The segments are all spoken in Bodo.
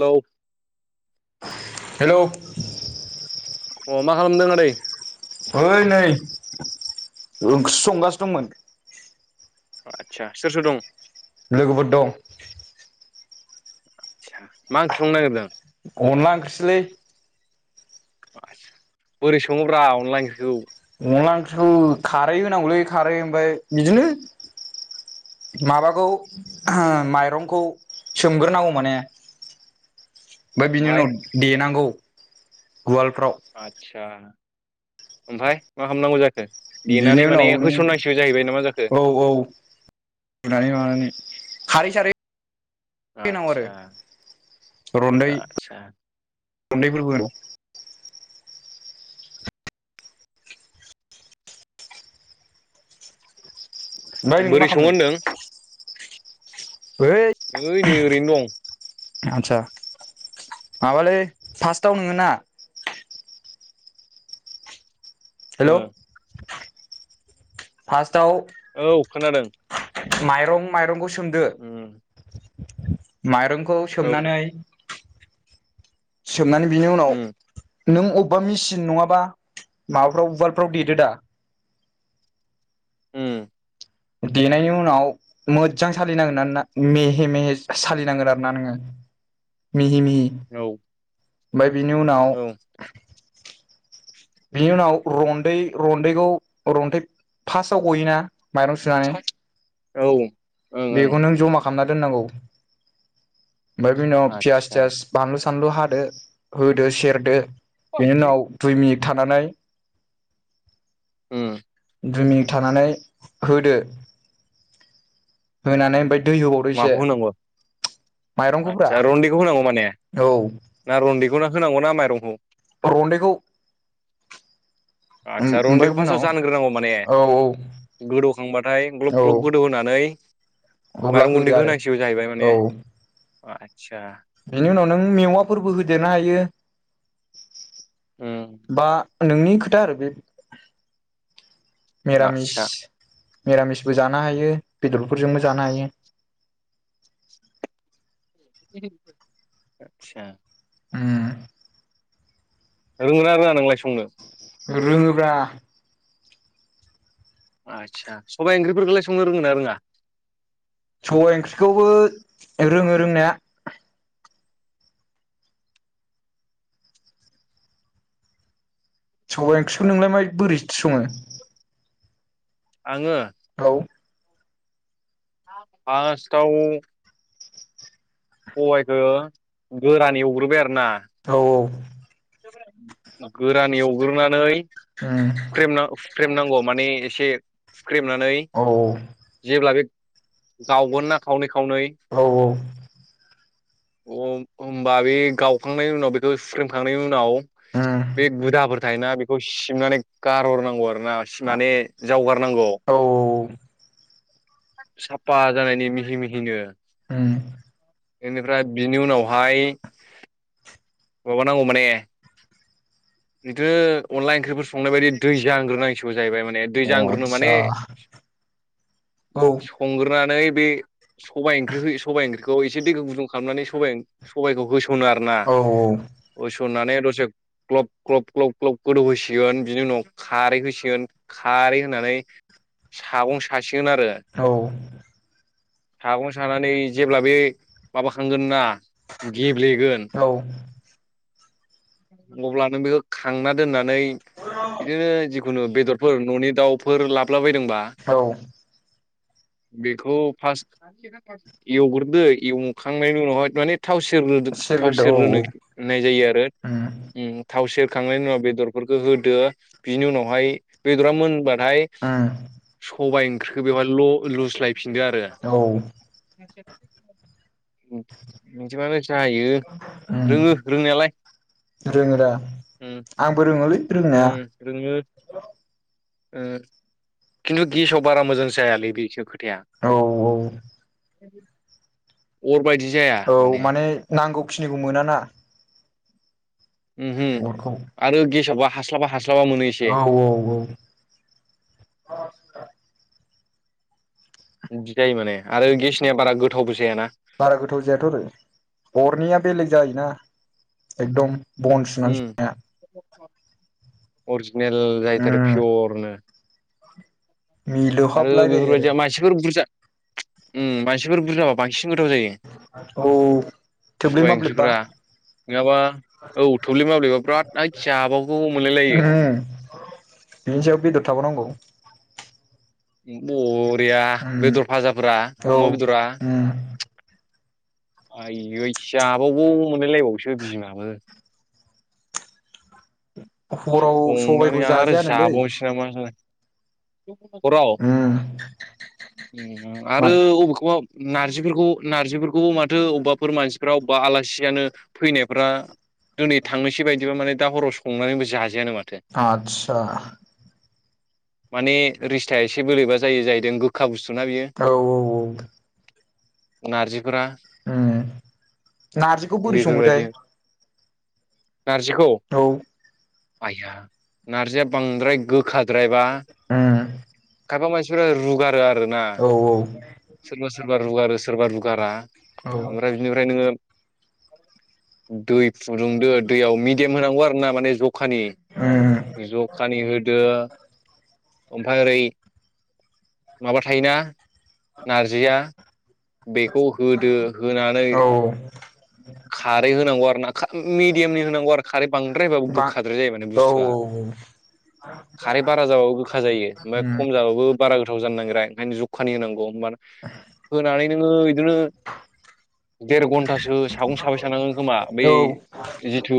हेलौ हेलौ अ मा खालामदों आदै ओइ नै ओंख्रि संगासिनो दंमोन आतसा सोर सोर दं लोगोफोर दं आतसा मा ओंख्रि संनो नागिरदों अनला ओंख्रिसोलै आस्सा बोरै सङोब्रा अनला ओंख्रिखौ अनदला ओंख्रिखौ खारै होनांगौलै खारै ओमफ्राय बिदिनो माबाखौ माइरंखौ सोमग्रोनांगौ माने [inaudible] ओमफ्राय बिनि ओमफाय उनाव देनांगौ उवालफ्राव आदसा ओमफ्राय मा खालामामनांगौ जाखो बिनि देनानै उनाव माने होसननांसिगौ जाहैबाय नामा जाखो बुनानै माबानानै खारै सारै होनांगौ आरो आतसा आतसा गुन्दैफोरबो होनांगौ ओमफ्राय नों मा बोरै खालामदों संङोहोनदों ओइ एैनै ओरैनो दं आदसा माबालै फासटाव नोङो ना ओ फासट औ खोनादों माइरं माइरंखौ सोमदो ओम माइरंखौ सोमनानै सोमनानै बिनि उनाव उम नों अबबा मेसिन नङाबा माबाफ्राव उवालफ्राव देदो दा। उम। देनायनि उनाव मोजजां सालिनांगोनना नोंना मेहे मेहे सालिनांगोन आरोना नोङो मिहि मिह औ। ओमबाय बिनि उनाव औ बिनि उनाव रन्दै रन्दैखौ रन्थै फासाव गयोना। माइरं सुनानै औ। ओं बेखौ नों जमा खामना दोननांगौ ओमफाय बिनि उनाव पियास आदसा थियास बानलु बानलु हादो होदो सेरदो बेनि उनाव दुइ मिनिट थानानै। उम दुइ मिनिट थानानै होदो होनानै ओमफाय दै होबावदो माखौ एसे होनांगौ था माइरंखौब्रा आदसा औ देखौना होनांगौ ना माइरंखौ रन्दैखौ आतसा ओमफ्राय रन्दैखौ फासाव उनाव जानग्रोनांगौ माने औ गोदौखांबाथाय ग्लब औ ग्लब गोदौ होनानै अब्ला माइरं होदो गुन्दैखौ आरो होनांसिगौ जाहैबाय माने औ आदसा बेनि उनाव नों मेवाफोरबो होदेरनो हायो। उम बा नोंनि खोथा आरो बे मेरामिस आदसा मेरामिसबो जानो हायो बेदरफोरजोंबो जानो हायो। आतसा उम रोंङोना रोङा नोंलाय संनो रोङोब्रा आदसा सबायाइ ओंख्रिफोरखौलाय संनो रोङो ना रोङा सबाय ओंख्रिखौबो रोङो रोंनाया सबाय ओंख्रिखौ नोंलाय मायद बोरैथो सङो आङो औ फासताव सबायखो गोरान एवग्रोबाय आरो ना औ औ। गोरान एवग्रोनानै उम हुख्रेमना हुख्रेमनांगौ माने एसे हुख्रेमनानै औ जेब्ला बे गावगोन ना खावनै खावनै औ अ होनोमबा बे गावखांनायनि उनाव बेखौ सुख्रेमखांनायनि उनाव बे गुदाफोर थायोना बेखौ सिबनानै गारहरनांगौ आरो। बास माने जावगारनांगौ। औ साफा जानायनि मिहि मिहिनो उम बेनिफ्राय बिनि उनावहाय माबानांगौ माने बिदिनो अनदला ओंख्रिफोर संनाय बायदि दै जांग्रोनांसिगौ जाहैबाय माने दै औ जांग्रोनो आदसा माने औ संग्रोनानै बे सबाइ ओंख्रि होयो सबाइ ओंख्रिखौ एसे दैखौ गुदुं खालामनानै स सबाइखौ होसननो आरो ना। औ ओइ सननानै दसे ग्लब ग्लब ग्लब ग्लब गोदौ होसिगोन बिनि उनाव खारै होसिगोन खारै हो नै सागं सासिगोन आरो औ सागं सानानै जेब्ला बे माबाखांगोन ना गेब्लेगोन औ अब्ला नों बेखौ खांना दोननानै बिदिनो जि खुनु बेदरफोर ननि दाउफोर लाबोलाबायदोंबा औ बेखौ फास्त एवग्रोदो एवखांनायनि उनावहाय माने थाव सेरग्रो थाव सेर ग्रो नो सेरग्रोदो होननाय जायो आरो औ उम थाव सेर खांनायनि उनाव बेदरफोरखौ होदो बिनि उनावहाय बेदरा मोनबा हाय उम सबाय ओंख्रिखौ बेहाय ल' लुस्लाय फिनदो आरो औ बिदिबानो जायो। उम रोङो रोंनायालाय रोङो दा उम आंबो रोङोलै रोंनाया उम रोङो ओ खिन्थु गेसाव बारा मोजां जायालै बे सो खो खोथाया औ औ अर बादि औ माने नांगौखिनिखौ मोनाना उमहु अरखौ आरो गेसावबा हास्लाबा हास्ला औ औ औ बिदि जायो माने आरो गेसनिया बारा गोथावबो जायाना बारा गोथाव जायाथ आरो हरनिया बेलेग जायोना एकदम बन सिनना उम सुनो हाया। अरिजिनेल जायोथारो उम पियरनो आरो मिलौहाबलायलायो आरो बेफोरबायदिया मानसिफोर बुरजा उम मानसिफोर बुरजाबा बा इसिं गोथाव जायो। औ थोब्ले सबाय माब्लेबबा ओंख्रिफोरा नङाबा औ थब्लि माब्लेबा बिराद आयद जाबाबौ मोनलाय लायो। बिनिसायाव बेदर थाब नांगौ। बरिया बेदर फाजाफ्रा औ अमा बेदरा उम आयै जाबागौ मोनलायलायबावोसो बिमाबो हराव संनानै सबायखौ आरो जाजायानोलै जाबावनोसै नामा सान हराव उम मा आरो अबेखौबा नार्जिफोरखौ नार्जिफोरखौबो माथो अबाफोर मानसिफ्रा अबेबा आलासियानो फैनायफ्रा दिनै थांनोसै बायदिबा माने दा हराव संनानैबो जा आतसा माने रिस्टा एसे बोलोैबा जायो जाहैदों गोखा बुस्थुना बियो औ औ नारजिफोरा उम नारजिखौ बोरै सङोथाय बेफोरबायदि नारजिखौ औ आइया नारजिया बांद्राय गोखाद्रायबा उम खायफा मानसिफ्रा रुगारो आरो ना औ सोरबा सोरबा रुगारो सोरबा रुगारा औ ओमफ्राय बिनिफ्राय नोङो दै फुदुंदो दैयाव गेम होनांगौ आरो ना माने जखानि, उम जखानि होदो ओमफाय ओरै माबा थायोना नारजिया बेखौ होदो होनानै औ खारै होनांगौ आरो मिडियामनि होनांगौ आरो खारै बांद्रायबाबो बा गोखाद्राय जायो माने औ बुस्थुआ, औ खारै बारा जाबाबो खा जायो ओमफाय उम खम जाबाबो बारा गोथाव जानो नागेरा ओंखायनो जखानि होनांगौ नो देर घन्टासो सागं साबाय सानाङो खोमा, बै औ जिथु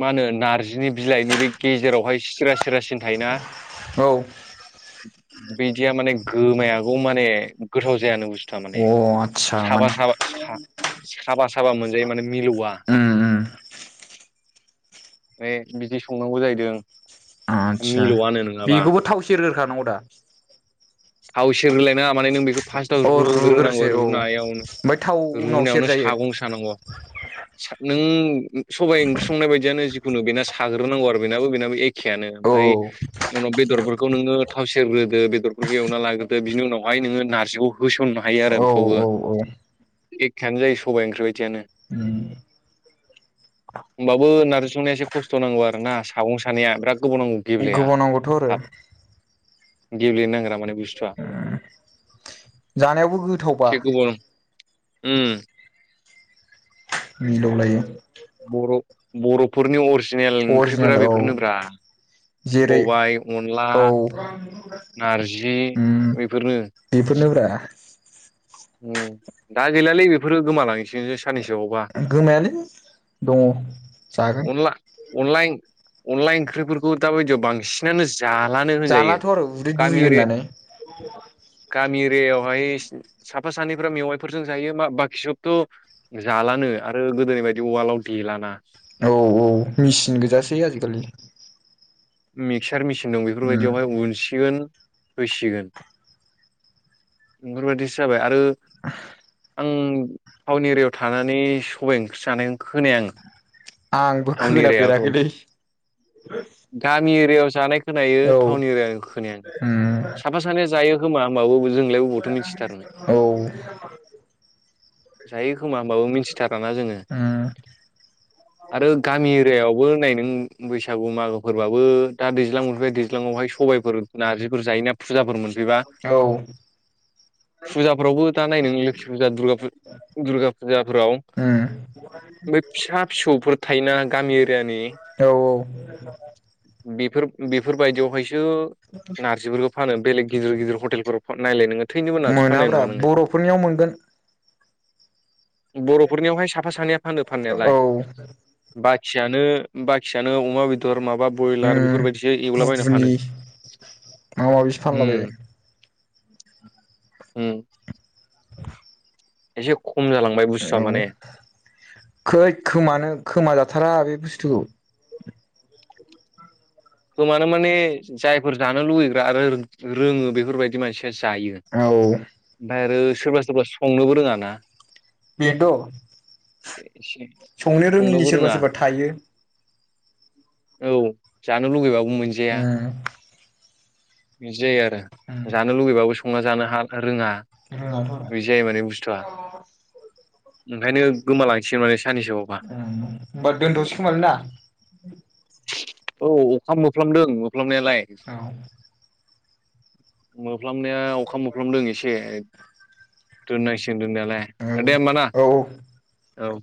मा होनो नार्जिनि बिलाइनि बै गेजेरावहाय सिरा सिरा सिन थायोना। औ। बेदिया माने गोमायागौ माने गोथाव जायानो बुस थुआ माने आदसा साबा माने साबा सा साबा साबा मोनजायो माने मिलौवा। उम उम बिदि संनांगौ जाहैदों। आदसा, मिलौआनो नङाबा बेखौबो थाव सेरग्रोखानांगौ दा? थाव सेरहोलायनाङा मे नों बेखौ फार्स्टआव अ रुग्रोनांगौ रुग्रोसो औ ओमफ्राय रुनायावनो थाव उनाव रुनायावनो सेरजायो सागं सानांग'। सा नों सबाइ ओंख्रि संनाय बायदियानो, जिखुनु बेना साग्रोनांगौ आरो बेनाबो बेनाबो एखेयानो। औ ओमफाय उनाव बेदरफोरखौ नोङो थाव सेरग्रोदो, बेदरफोरखौ एवना लाग्रोदो, बिनि उनावहाय नोङो नारजिखौ होसन औ औ औ। एखेयानो जायो सबाइ ओंख्रिबायदियानो। उम होमबाबो नारजि संनाया एसे खस्थ' नांगौ आरोना सागं सानाया, बिराद गोबाव नांगौ गेब्लेया। थ' आरो। गेब्लेनो नागेरा माने बुस्थुआ। जानायावबो गोथावबा। एसे गोबाव उम। मिलौ लायो। बर' बर'फोरनि अरजिनेल ओंख्रिफोरा अरिजिनेल औ बेफोरनोब्रा। जेरै सबाय, अनला। औ नारजि उम बेफोरनो। [inaudible] दा गैलालै बेफोरो गोमालांसिगोनसो। साननैसोआवबा गोमायालै दङ। जागोन अनला अनला इं अनला ओंख्रिफोरखौ दा बायदियाव बां मानो जालानो होनजायो जालाथ' आरो उदै गामि दुयो एरिया होननानै गामि यावहाय साफा सानैफ्रा मेवाइफोरजों जायो, मा बाखि सोबथ' जालानो आरो गोदोनि बायदि उवालाव देलाना। औ औ मिसिन गोजासै आजिखालि। मिक्सार मिसिन दं बेफोर उम बायदियाव उनसिगोन फैसिगोन। बेफोर बादिसो जाबाय आरो आं टाउन एरियाआव थानानै सबाइ ओंख्रि जानायखोनो खोनाया आङो। आंबो खोनाफेराखैलै। गामि एरियाआव जानाय खोनायो, औ टाउन एरियानिखौ खोनाया आङो। उम साफा सानैया जायो खोमा ओमबाबो औ। जायो खोमा होमबाबो मिनथिथाराना जोङो उम आरो गामि एरियायआव बो नै नों बैसागु मागो फोरबाबो दा दैज्लां मोनफैबाय, दैज्लांयावहाय सबायफोर, नारजिफोर जायोना। फुजाफोर मोन औ। फुजाफोरावबो दा नाय नोङो लोखि फुजा दुर्गा फुजा दुर्गा फुजाफोराव उम बे फिसा फिसौफोर थायोना गामि एरियानि औ औ। बेफोर बेफोरबायदियावहायसो नारजिफोरखौ फानो। बेलेग गिदिर गिदिर हटेलफोराव नायलाय नोङो थैनोबो नारजि फाननाय मोनाब्रा नुवा नोङो। बर'फोरनियाव मोनगोन बर'फोरनियावहाय साफा सानैया फानो औ फाननायालाय। बाखि बाखियानो बाखियानो अमा बेदर माबा माबा बयलार उम बेफोरबादिसो एवलाबायना गुगुनि फानो माबा माबिसो फानलाबायो उम उम [inaudible] एसे ख औ खै खोमानो खोमाजाथारा बे बुस्थु थु खोमानो माने जायफोर जानो लुुबैग्रा आरो रोङो बेफोरबायदि मानसि जायो। औ ओमफ्राय आरो सोरबा सोरबा संनोबो रोङा ना बेनथ' संनो रोङिनि संनोबो सोरबा रोङा सोरबा थायो। औ जानो लुबैबाबो मोनजाया उम बिदि जायो आरो उम ओ जानो लुुबैबाबो संना जानो रोङा। रोङाथ' बिदि जायो माने बुस्थुआ, ओंखायनो गोमालांसै माने साननैसोआवबा होनबा दोनथ'सै खोमालै ना? औ अखा मोफ्लाामदों मोफ्लाबनायालाय औ मोफ्लाामनाया अखा मोनोफ्लाामदों एसे दोननांसि दोननायालाय, औ दे होनबा ना, औ औ औ।